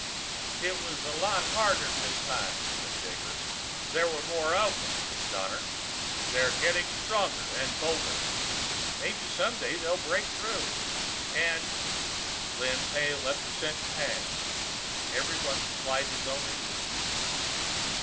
"It was a lot harder this time," said Daker. "There were more of them," said Donner. "They're getting stronger and bolder." "Maybe some day they'll break through, and...." Lin Pey let the sentence hang. Everyone supplied his own ending.